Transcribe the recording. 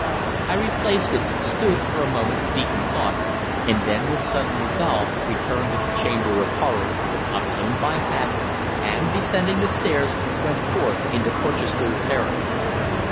I replaced it, stood for a moment deep in thought, and then, with sudden resolve, returned to the chamber of horror, obtained my hat, and, descending the stairs, went forth into Porchester Terrace.